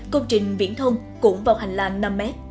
công trình viễn thông cũng vào hành lang năm m